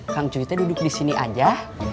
kang cerita duduk di sini aja